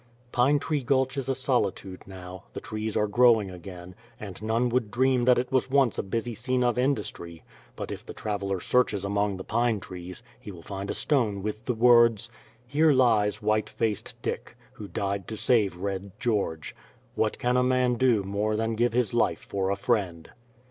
Pine Tree Gulch is a solitude now, the trees are growing again, and none would dream that it was once a busy scene of industry; but if the traveler searches among the pine trees he will find a stone with the words: "Here lies White Faced Dick, who died to save Red George. 'What can a man do more than give his life for a friend?'"